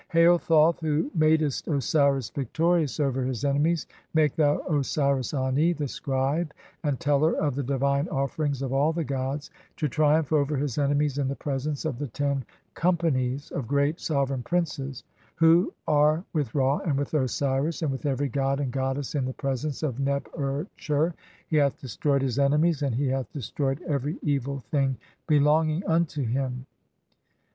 "Hail, Thoth, who madest Osiris victorious over his enemies, "make thou (3) Osiris Ani, the scribe and teller of the divine "offerings of all the gods, to triumph over his enemies in the "presence of the ten companies of great (4) sovereign princes "who are with Ra, and with Osiris, and with every god and "goddess in the presence of Neb er tcher. He hath destroyed "his enemies, and (5) he hath destroyed every evil thing be "longing unto him."